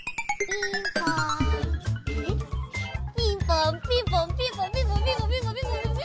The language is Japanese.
ピンポンピンポンピンポンピンポンピピピピピピ！